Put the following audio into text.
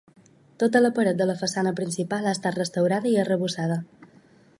Tota la paret de la façana principal ha estat restaurada i arrebossada.